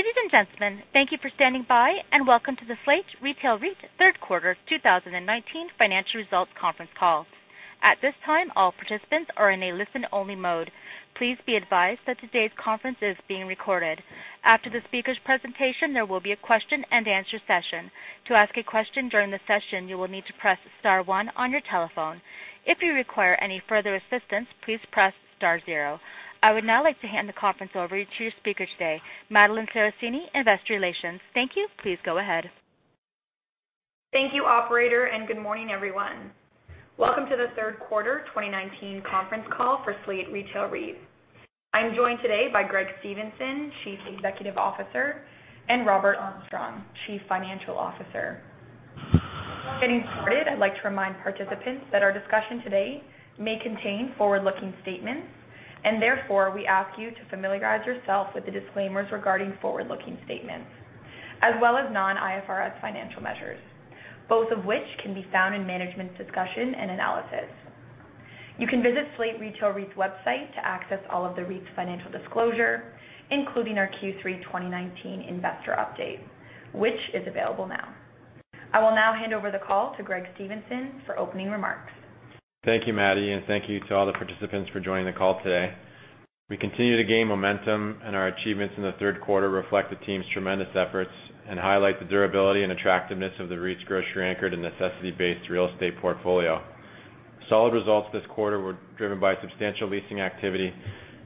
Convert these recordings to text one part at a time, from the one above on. Ladies and gentlemen, thank you for standing by and welcome to the Slate Retail REIT Third Quarter 2019 financial results conference call. At this time, all participants are in a listen-only mode. Please be advised that today's conference is being recorded. After the speaker's presentation, there will be a question and answer session. To ask a question during the session, you will need to press star one on your telephone. If you require any further assistance, please press star zero. I would now like to hand the conference over to your speaker today, Madeline Saracini, Investor Relations. Thank you. Please go ahead. Thank you, operator, and good morning, everyone. Welcome to the third quarter 2019 conference call for Slate Retail REIT. I'm joined today by Greg Stevenson, Chief Executive Officer, and Robert Armstrong, Chief Financial Officer. Getting started, I'd like to remind participants that our discussion today may contain forward-looking statements, and therefore, we ask you to familiarize yourself with the disclaimers regarding forward-looking statements, as well as non-IFRS financial measures, both of which can be found in management's discussion and analysis. You can visit Slate Retail REIT's website to access all of the REIT's financial disclosure, including our Q3 2019 investor update, which is available now. I will now hand over the call to Greg Stevenson for opening remarks. Thank you, Maddie, and thank you to all the participants for joining the call today. We continue to gain momentum, and our achievements in the third quarter reflect the team's tremendous efforts and highlight the durability and attractiveness of the REIT's grocery-anchored and necessity-based real estate portfolio. Solid results this quarter were driven by substantial leasing activity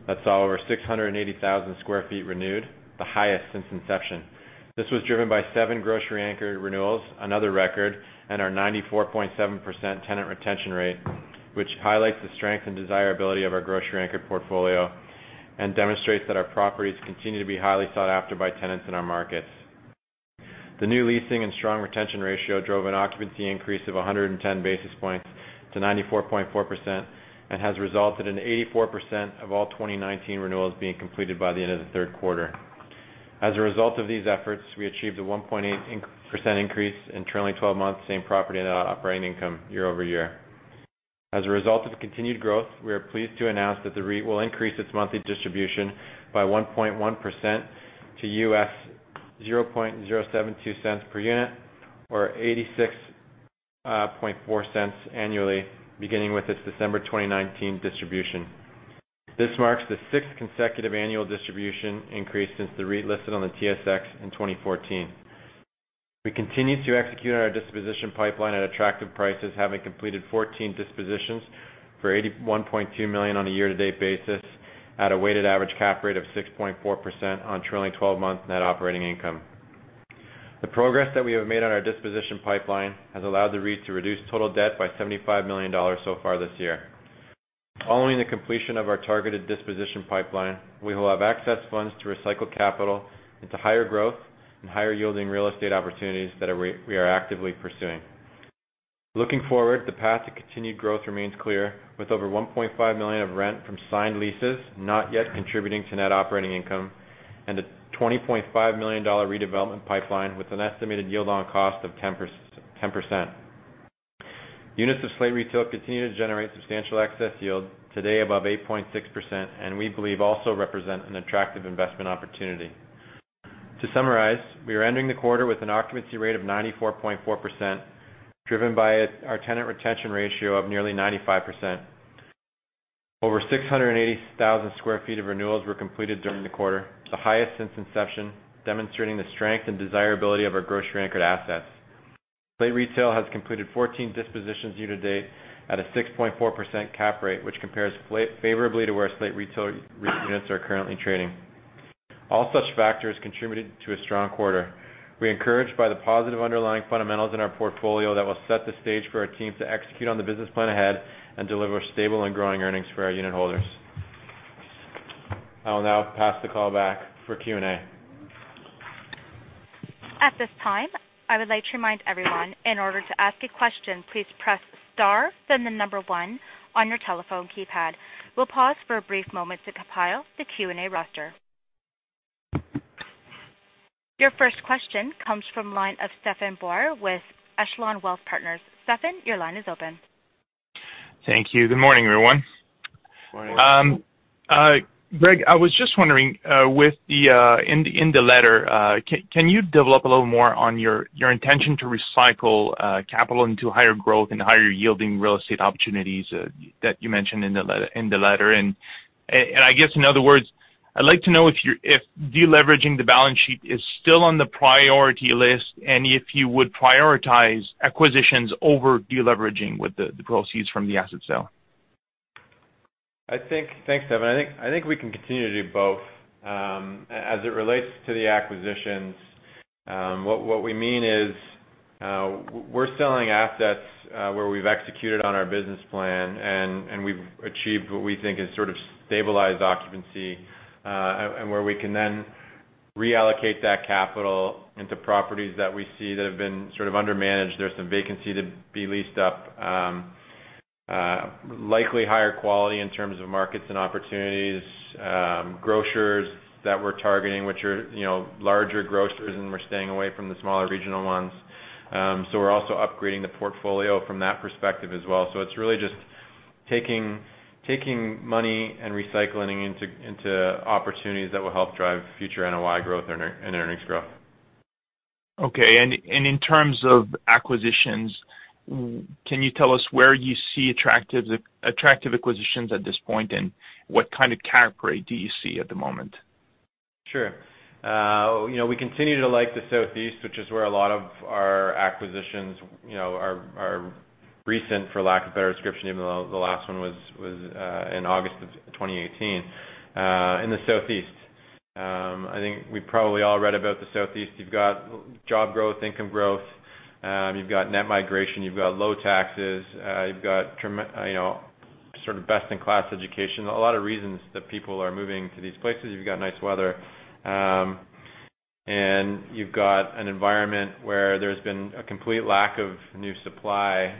that saw over 680,000 square feet renewed, the highest since inception. This was driven by seven grocery anchor renewals, another record, and our 94.7% tenant retention rate, which highlights the strength and desirability of our grocery-anchored portfolio and demonstrates that our properties continue to be highly sought after by tenants in our markets. The new leasing and strong retention ratio drove an occupancy increase of 110 basis points to 94.4% and has resulted in 84% of all 2019 renewals being completed by the end of the third quarter. As a result of these efforts, we achieved a 1.8% increase in trailing 12 months same property net operating income year-over-year. As a result of continued growth, we are pleased to announce that the REIT will increase its monthly distribution by 1.1% to $0.00072 per unit, or $0.864 annually, beginning with its December 2019 distribution. This marks the sixth consecutive annual distribution increase since the REIT listed on the TSX in 2014. We continue to execute on our disposition pipeline at attractive prices, having completed 14 dispositions for $81.2 million on a year-to-date basis at a weighted average cap rate of 6.4% on trailing 12 months net operating income. The progress that we have made on our disposition pipeline has allowed the REIT to reduce total debt by $75 million so far this year. Following the completion of our targeted disposition pipeline, we will have access funds to recycle capital into higher growth and higher yielding real estate opportunities that we are actively pursuing. Looking forward, the path to continued growth remains clear. With over $1.5 million of rent from signed leases not yet contributing to net operating income and a $20.5 million redevelopment pipeline with an estimated yield on cost of 10%. Units of Slate Retail continue to generate substantial excess yield, today above 8.6%, and we believe also represent an attractive investment opportunity. To summarize, we are ending the quarter with an occupancy rate of 94.4%, driven by our tenant retention ratio of nearly 95%. Over 680,000 sq ft of renewals were completed during the quarter, the highest since inception, demonstrating the strength and desirability of our grocery-anchored assets. Slate Retail has completed 14 dispositions year to date at a 6.4% cap rate, which compares favorably to where Slate Retail units are currently trading. All such factors contributed to a strong quarter. We're encouraged by the positive underlying fundamentals in our portfolio that will set the stage for our team to execute on the business plan ahead and deliver stable and growing earnings for our unit holders. I will now pass the call back for Q&A. At this time, I would like to remind everyone, in order to ask a question, please press star, then the number one on your telephone keypad. We'll pause for a brief moment to compile the Q&A roster. Your first question comes from the line of Stephane Boire with Echelon Wealth Partners. Stephane, your line is open. Thank you. Good morning, everyone. Morning. Greg, I was just wondering, in the letter, can you develop a little more on your intention to recycle capital into higher growth and higher yielding real estate opportunities that you mentioned in the letter? I guess, in other words, I'd like to know if de-leveraging the balance sheet is still on the priority list, and if you would prioritize acquisitions over de-leveraging with the proceeds from the asset sale? Thanks, Stephane. I think we can continue to do both. As it relates to the acquisitions, what we mean is we're selling assets where we've executed on our business plan, and we've achieved what we think is sort of stabilized occupancy, and where we can then reallocate that capital into properties that we see that have been sort of under-managed. There's some vacancy to be leased up. Likely higher quality in terms of markets and opportunities. Grocers that we're targeting, which are larger grocers, and we're staying away from the smaller regional ones. We're also upgrading the portfolio from that perspective as well. It's really just taking money and recycling into opportunities that will help drive future NOI growth and earnings growth. Okay. In terms of acquisitions, can you tell us where you see attractive acquisitions at this point, and what kind of cap rate do you see at the moment? Sure. We continue to like the Southeast, which is where a lot of our acquisitions are recent, for lack of better description, even though the last one was in August of 2018, in the Southeast. I think we probably all read about the Southeast. You've got job growth, income growth. You've got net migration, you've got low taxes. You've got sort of best-in-class education, a lot of reasons that people are moving to these places. You've got nice weather. You've got an environment where there's been a complete lack of new supply,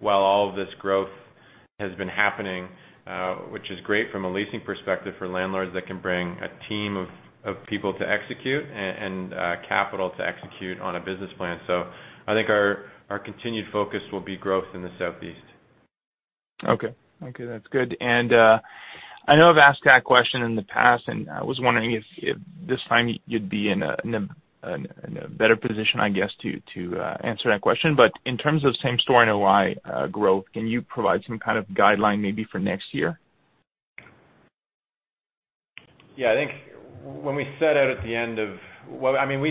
while all of this growth has been happening, which is great from a leasing perspective for landlords that can bring a team of people to execute and capital to execute on a business plan. I think our continued focus will be growth in the Southeast. Okay. That's good. I know I've asked that question in the past, and I was wondering if this time you'd be in a better position, I guess, to answer that question. In terms of same property NOI growth, can you provide some kind of guideline maybe for next year? Yeah. We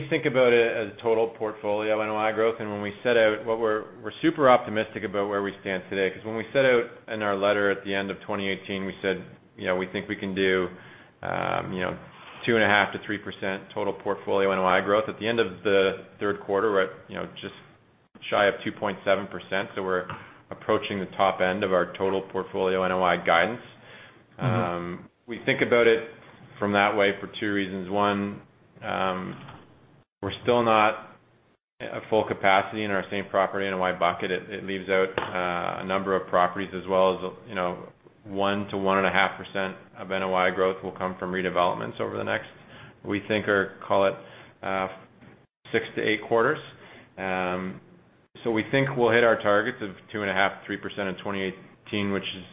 think about it as total portfolio NOI growth. When we set out what we're super optimistic about where we stand today, because when we set out in our letter at the end of 2018, we said we think we can do 2.5%-3% total portfolio NOI growth. At the end of the third quarter, we're at just shy of 2.7%, so we're approaching the top end of our total portfolio NOI guidance. We think about it from that way for two reasons. One, we're still not at full capacity in our same property NOI bucket. It leaves out a number of properties as well as 1% to 1.5% of NOI growth will come from redevelopments over the next, we think, or call it six to eight quarters. We think we'll hit our targets of 2.5% to 3% in 2018, which is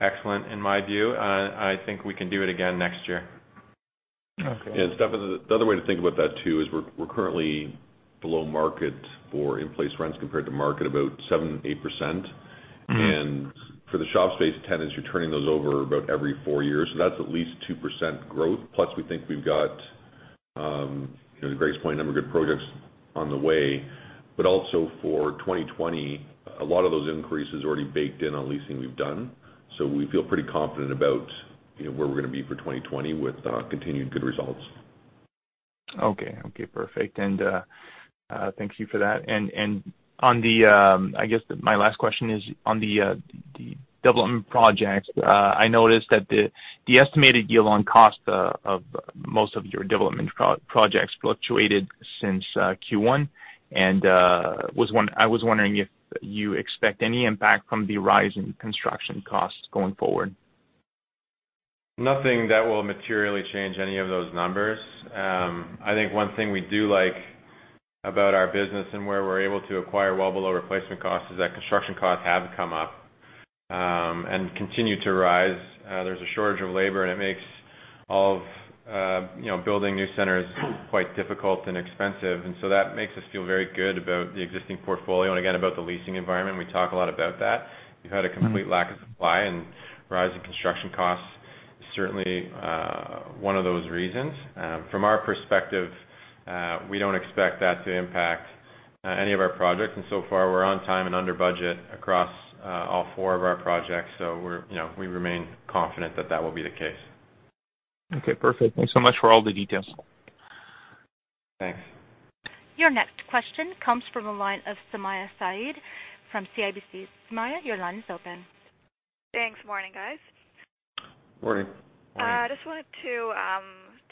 excellent in my view. I think we can do it again next year. Okay. Stephane, the other way to think about that too is we're currently below market for in-place rents compared to market, about 7%, 8%. For the shop space tenants, you're turning those over about every four years. That's at least 2% growth. We think we've got, to Greg's point, a number of good projects on the way. Also for 2020, a lot of those increases already baked in on leasing we've done. We feel pretty confident about where we're going to be for 2020 with continued good results. Okay. Perfect. Thank you for that. I guess my last question is on the development projects. I noticed that the estimated yield on cost of most of your development projects fluctuated since Q1, and I was wondering if you expect any impact from the rise in construction costs going forward. Nothing that will materially change any of those numbers. I think one thing we do like about our business and where we're able to acquire well below replacement cost is that construction costs have come up, and continue to rise. There's a shortage of labor, and it makes building new centers quite difficult and expensive. That makes us feel very good about the existing portfolio and again, about the leasing environment. We talk a lot about that. We've had a complete lack of supply and rise in construction costs is certainly one of those reasons. From our perspective, we don't expect that to impact any of our projects. So far, we're on time and under budget across all four of our projects. We remain confident that that will be the case. Okay, perfect. Thanks so much for all the details. Thanks. Your next question comes from the line of Sumaya Saeed from CIBC. Sumaya, your line is open. Thanks, morning guys. Morning. Morning. I just wanted to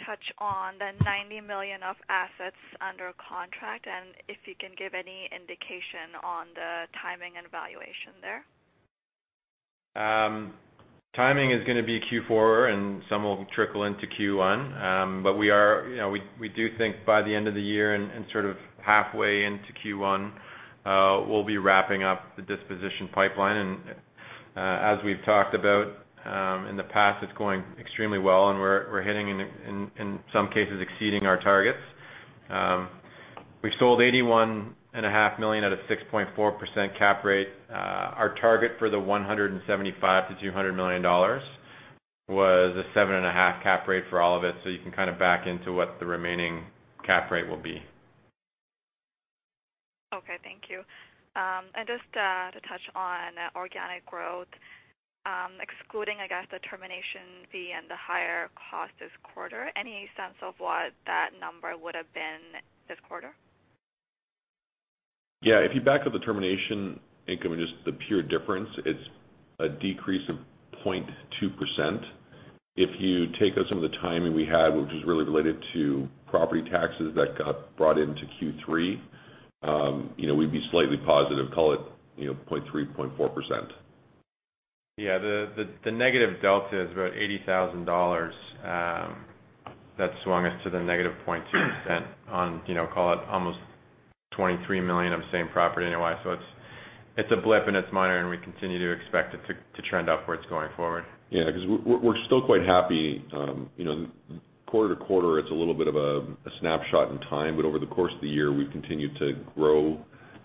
touch on the $90 million of assets under contract, and if you can give any indication on the timing and valuation there. Timing is going to be Q4, and some will trickle into Q1. We do think by the end of the year and sort of halfway into Q1, we'll be wrapping up the disposition pipeline. As we've talked about in the past, it's going extremely well, and we're hitting, in some cases, exceeding our targets. We sold $81.5 million out of 6.4% cap rate. Our target for the $175 million-$200 million was a 7.5% cap rate for all of it. You can kind of back into what the remaining cap rate will be. Okay, thank you. Just to touch on organic growth, excluding, I guess, the termination fee and the higher cost this quarter, any sense of what that number would have been this quarter? Yeah. If you back out the termination income and just the pure difference, it's a decrease of 0.2%. If you take out some of the timing we had, which was really related to property taxes that got brought into Q3, we'd be slightly positive, call it 0.3%, 0.4%. Yeah, the negative delta is about $80,000. That swung us to the negative 0.2% on, call it almost $23 million of same property NOI. It's a blip and it's minor, and we continue to expect it to trend upwards going forward. Because we're still quite happy. Quarter to quarter, it's a little bit of a snapshot in time, but over the course of the year, we've continued to grow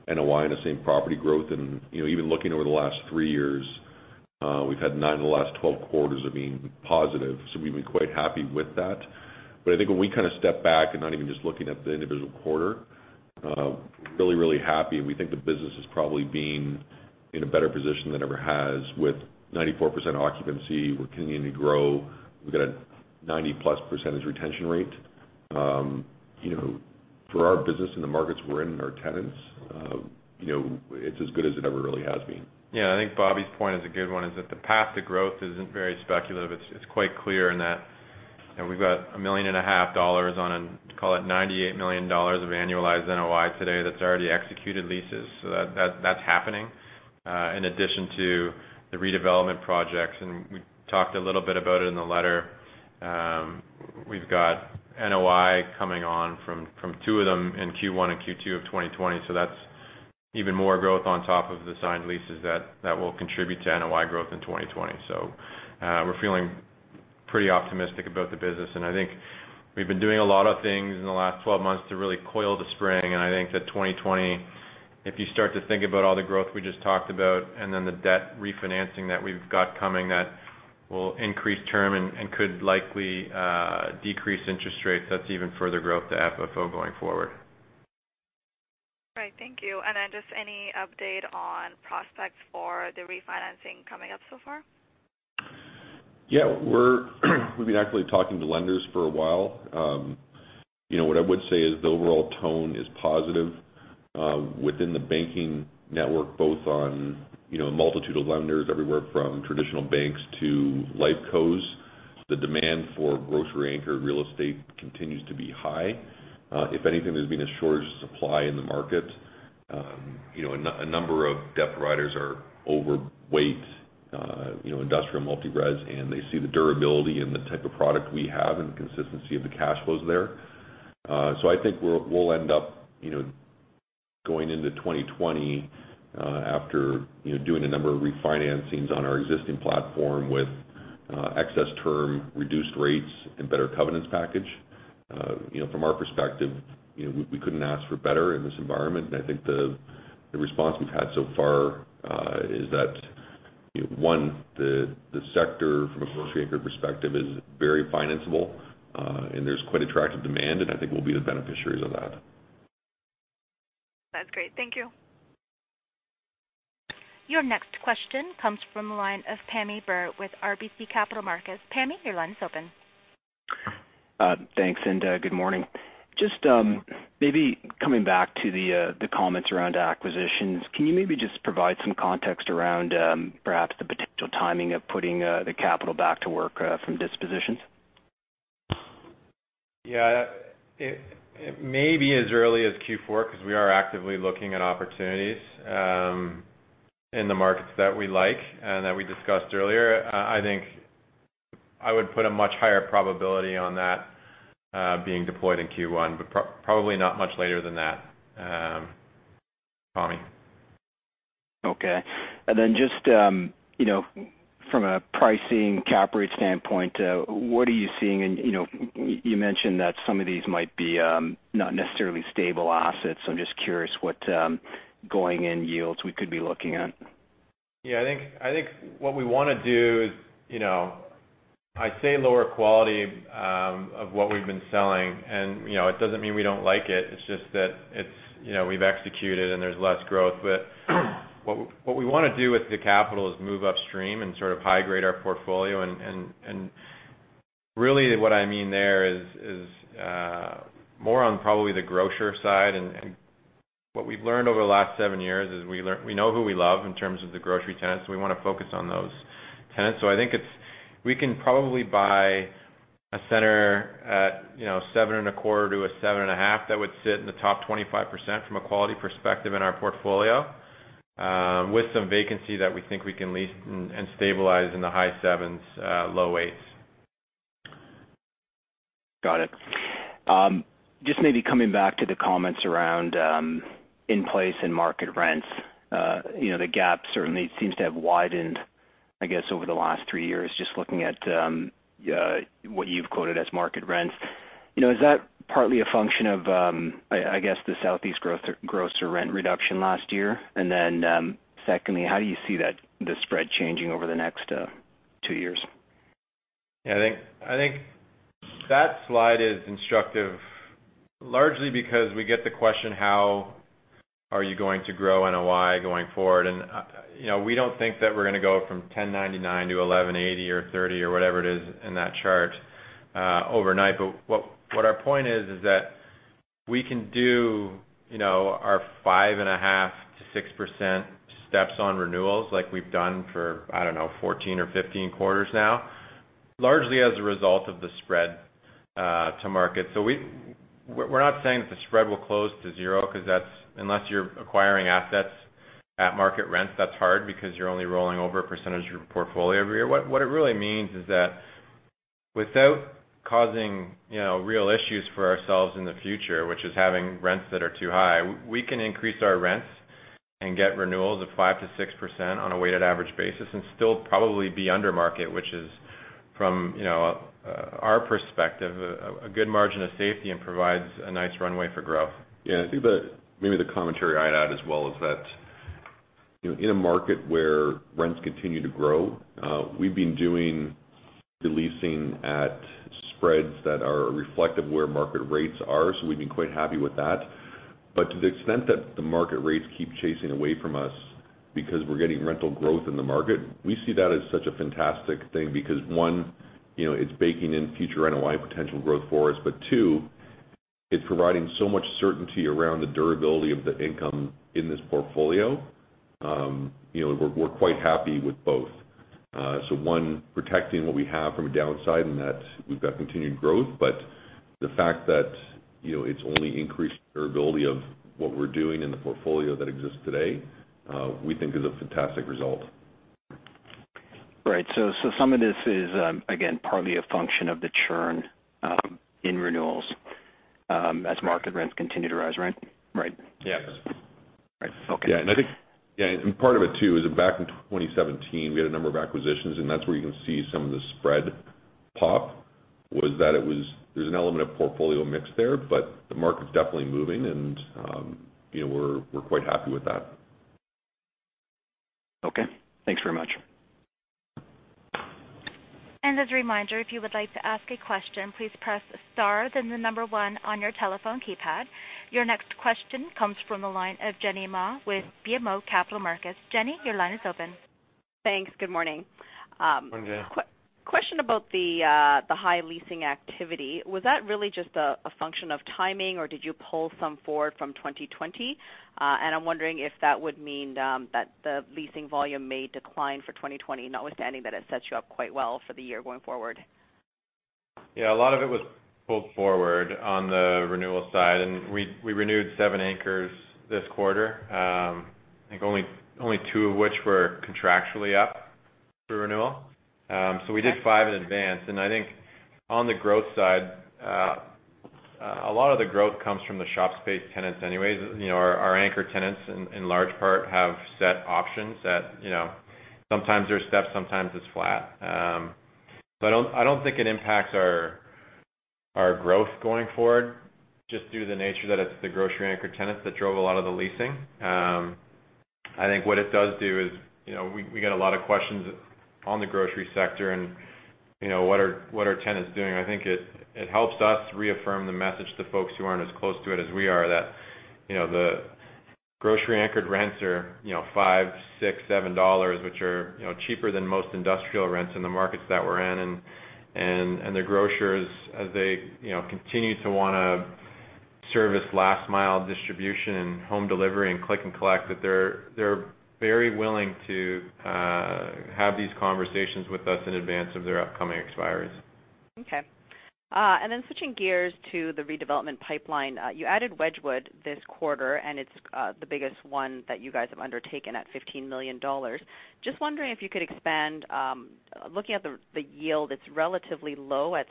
NOI and the same property growth. Even looking over the last three years, we've had nine of the last 12 quarters of being positive, we've been quite happy with that. I think when we step back and not even just looking at the individual quarter, we're really, really happy, and we think the business is probably been in a better position than it ever has with 94% occupancy. We're continuing to grow. We've got a 90-plus percentage retention rate. For our business and the markets we're in and our tenants, it's as good as it ever really has been. Yeah. I think Bobby's point is a good one, is that the path to growth isn't very speculative. It's quite clear in that we've got a million and a half dollars on, call it, $98 million of annualized NOI today that's already executed leases. That's happening, in addition to the redevelopment projects. We talked a little bit about it in the letter. We've got NOI coming on from two of them in Q1 and Q2 of 2020. That's even more growth on top of the signed leases that will contribute to NOI growth in 2020. We're feeling pretty optimistic about the business. I think we've been doing a lot of things in the last 12 months to really coil the spring. I think that 2020, if you start to think about all the growth we just talked about and then the debt refinancing that we've got coming, that will increase term and could likely decrease interest rates, that's even further growth to FFO going forward. Right. Thank you. Just any update on prospects for the refinancing coming up so far? Yeah. We've been actively talking to lenders for a while. What I would say is the overall tone is positive within the banking network, both on a multitude of lenders, everywhere from traditional banks to LifeCos. The demand for grocery-anchored real estate continues to be high. If anything, there's been a shortage of supply in the market. A number of debt writers are overweight industrial multi-res, and they see the durability in the type of product we have and consistency of the cash flows there. I think we'll end up going into 2020 after doing a number of refinancings on our existing platform with excess term, reduced rates, and better covenants package. From our perspective, we couldn't ask for better in this environment. I think the response we've had so far is that, one, the sector from a grocery-anchored perspective is very financeable, and there's quite attractive demand, and I think we'll be the beneficiaries of that. That's great. Thank you. Your next question comes from the line of Pammi Buhr with RBC Capital Markets. Pammi, your line is open. Thanks, good morning. Just maybe coming back to the comments around acquisitions, can you maybe just provide some context around perhaps the potential timing of putting the capital back to work from dispositions? Yeah. It may be as early as Q4 because we are actively looking at opportunities in the markets that we like and that we discussed earlier. I think I would put a much higher probability on that being deployed in Q1, but probably not much later than that, Pammi. Okay. Just from a pricing cap rate standpoint, what are you seeing, you mentioned that some of these might be not necessarily stable assets. I'm just curious what going-in yields we could be looking at. I think what we want to do is, I say lower quality of what we've been selling, and it doesn't mean we don't like it. It's just that we've executed and there's less growth. What we want to do with the capital is move upstream and sort of high grade our portfolio. Really what I mean there is more on probably the grocer side. What we've learned over the last seven years is we know who we love in terms of the grocery tenants. We want to focus on those tenants. I think we can probably buy a center at seven and a quarter to a seven and a half that would sit in the top 25% from a quality perspective in our portfolio, with some vacancy that we think we can lease and stabilize in the high sevens, low eights. Got it. Just maybe coming back to the comments around in-place and market rents. The gap certainly seems to have widened, I guess over the last three years, just looking at what you've quoted as market rents. Is that partly a function of, I guess, the Southeast grocer rent reduction last year? Secondly, how do you see the spread changing over the next two years? Yeah, I think that slide is instructive largely because we get the question, how are you going to grow NOI going forward? We don't think that we're going to go from 1,099 to 1,180 or 30 or whatever it is in that chart overnight. What our point is that we can do our 5.5% to 6% steps on renewals like we've done for, I don't know, 14 or 15 quarters now, largely as a result of the spread to market. We're not saying that the spread will close to zero, because unless you're acquiring assets at market rents, that's hard because you're only rolling over a percentage of your portfolio every year. What it really means is that without causing real issues for ourselves in the future, which is having rents that are too high, we can increase our rents and get renewals of 5%-6% on a weighted average basis and still probably be under market, which is, from our perspective, a good margin of safety and provides a nice runway for growth. I think that the commentary I'd add as well is that, in a market where rents continue to grow, we've been doing the leasing at spreads that are reflective of where market rates are, so we've been quite happy with that. To the extent that the market rates keep chasing away from us because we're getting rental growth in the market, we see that as such a fantastic thing because one, it's baking in future NOI potential growth for us. Two, it's providing so much certainty around the durability of the income in this portfolio. We're quite happy with both. One, protecting what we have from a downside in that we've got continued growth, but the fact that it's only increased durability of what we're doing in the portfolio that exists today, we think is a fantastic result. Right. Some of this is, again, partly a function of the churn in renewals as market rents continue to rise, right? Yes. Yes. Right. Okay. Part of it too, is that back in 2017, we had a number of acquisitions, and that's where you can see some of the spread pop, was that there's an element of portfolio mix there, but the market's definitely moving and we're quite happy with that. Okay. Thanks very much. As a reminder, if you would like to ask a question, please press star, then the number one on your telephone keypad. Your next question comes from the line of Jenny Ma with BMO Capital Markets. Jenny, your line is open. Thanks. Good morning. Morning, Jenny. Question about the high leasing activity. Was that really just a function of timing, or did you pull some forward from 2020? I'm wondering if that would mean that the leasing volume may decline for 2020, notwithstanding that it sets you up quite well for the year going forward. Yeah, a lot of it was pulled forward on the renewal side, and we renewed seven anchors this quarter. I think only two of which were contractually up for renewal. We did five in advance. I think on the growth side, a lot of the growth comes from the shop space tenants anyway. Our anchor tenants, in large part, have set options that sometimes there's steps, sometimes it's flat. I don't think it impacts our growth going forward, just due to the nature that it's the grocery anchor tenants that drove a lot of the leasing. I think what it does do is, we get a lot of questions on the grocery sector and what are tenants doing. I think it helps us reaffirm the message to folks who aren't as close to it as we are that, the grocery-anchored rents are $5, $6, $7, which are cheaper than most industrial rents in the markets that we're in. The grocers, as they continue to want to service last mile distribution, and home delivery, and click and collect, that they're very willing to have these conversations with us in advance of their upcoming expires. Okay. Then switching gears to the redevelopment pipeline. You added Wedgewood this quarter, and it's the biggest one that you guys have undertaken at $15 million. Just wondering if you could expand. Looking at the yield, it's relatively low at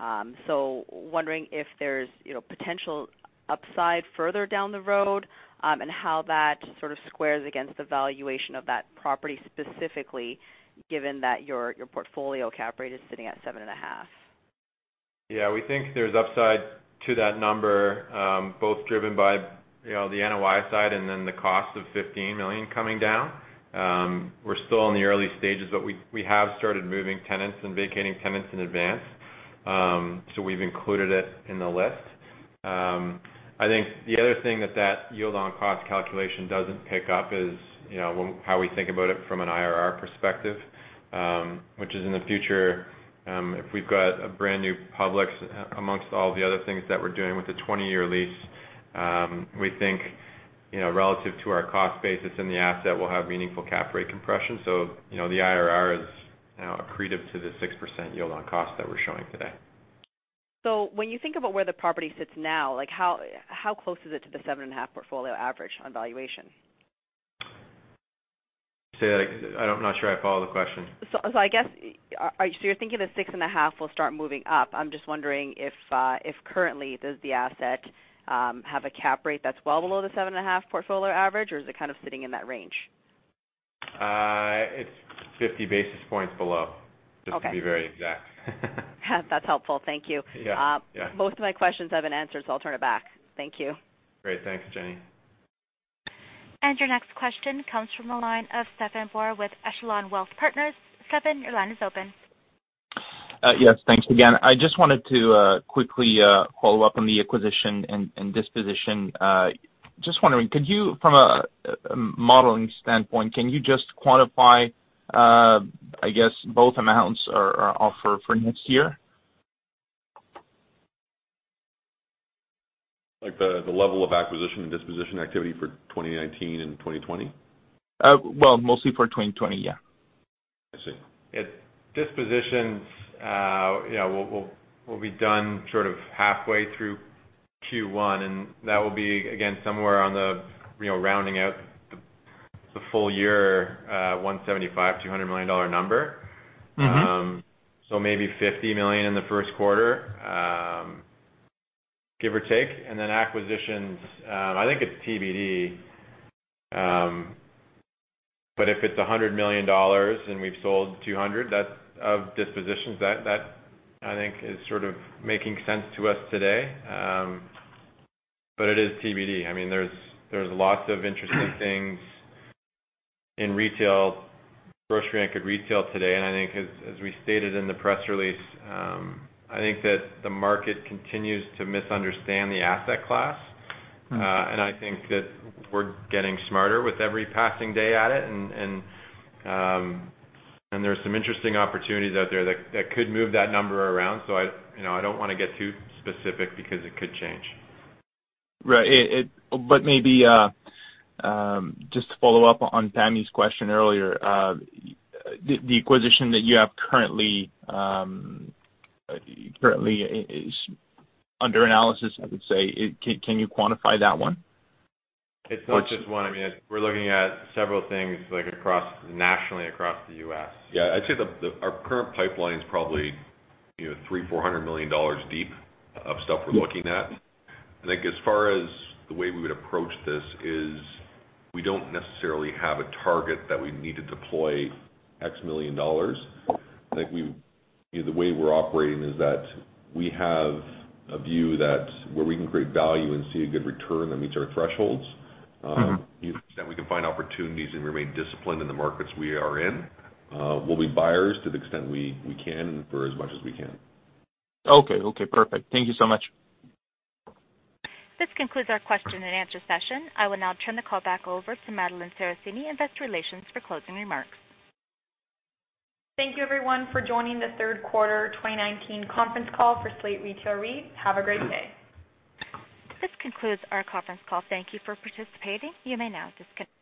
6%. Wondering if there's potential upside further down the road. How that sort of squares against the valuation of that property specifically, given that your portfolio cap rate is sitting at 7.5%. Yeah. We think there's upside to that number, both driven by the NOI side and then the cost of $15 million coming down. We're still in the early stages, but we have started moving tenants and vacating tenants in advance. We've included it in the list. I think the other thing that that yield on cost calculation doesn't pick up is how we think about it from an IRR perspective, which is in the future, if we've got a brand new Publix amongst all the other things that we're doing with the 20-year lease, we think relative to our cost basis in the asset, we'll have meaningful cap rate compression. The IRR is accretive to the 6% yield on cost that we're showing today. When you think about where the property sits now, how close is it to the 7.5 portfolio average on valuation? I'm not sure I follow the question. I guess, so you're thinking the 6.5 will start moving up. I'm just wondering if currently, does the asset have a cap rate that's well below the 7.5 portfolio average, or is it kind of sitting in that range? It's 50 basis points below. Okay. Just to be very exact. That's helpful. Thank you. Yeah. Both of my questions have been answered, so I'll turn it back. Thank you. Great. Thanks, Jenny. Your next question comes from the line of Stephane Boire with Echelon Wealth Partners. Stephane, your line is open. Yes. Thanks again. I just wanted to quickly follow up on the acquisition and disposition. Just wondering, from a modeling standpoint, can you just quantify, I guess, both amounts for next year? Like the level of acquisition and disposition activity for 2019 and 2020? Well, mostly for 2020. Yeah. I see. Dispositions will be done sort of halfway through Q1, and that will be, again, somewhere on the rounding out the full year $175 million-$200 million number. Maybe $50 million in the first quarter, give or take. Acquisitions, I think it's TBD. If it's $100 million and we've sold $200 million of dispositions, that I think is sort of making sense to us today. It is TBD. There's lots of interesting things in grocery-anchored retail today, and I think as we stated in the press release, I think that the market continues to misunderstand the asset class. I think that we're getting smarter with every passing day at it, and there's some interesting opportunities out there that could move that number around. I don't want to get too specific because it could change. Right. Maybe just to follow up on Pammi's question earlier, the acquisition that you have currently is under analysis, I would say. Can you quantify that one? It's not just one. We're looking at several things nationally across the U.S. Yeah, I'd say our current pipeline's probably $300 million, $400 million deep of stuff we're looking at. I think as far as the way we would approach this is we don't necessarily have a target that we need to deploy X million dollars. I think the way we're operating is that we have a view where we can create value and see a good return that meets our thresholds. To the extent we can find opportunities and remain disciplined in the markets we are in, we'll be buyers to the extent we can for as much as we can. Okay. Perfect. Thank you so much. This concludes our question and answer session. I will now turn the call back over to Madeline Saracini, investor relations, for closing remarks. Thank you everyone for joining the third quarter 2019 conference call for Slate Retail REIT. Have a great day. This concludes our conference call. Thank you for participating. You may now disconnect.